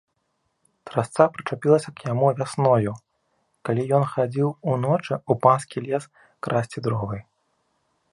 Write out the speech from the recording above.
Трасца прычапілася к яму вясною, калі ён хадзіў уночы ў панскі лес красці дровы.